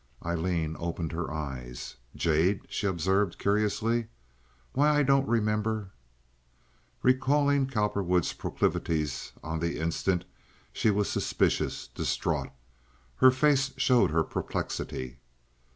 Aileen opened her eyes. "Jade!" she observed, curiously. "Why, I don't remember." Recalling Cowperwood's proclivities on the instant, she was suspicious, distraught. Her face showed her perplexity.